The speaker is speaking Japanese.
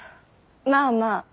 まあまあ。